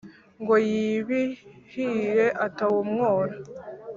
Ngo yibihire atawumyora!